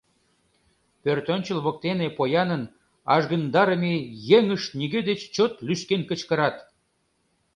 Пӧртӧнчыл воктене поянын ажгындарыме еҥышт нигӧ деч чот лӱшкен кычкырат.